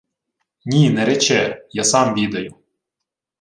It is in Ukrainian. — Ні, не рече. Я сам відаю.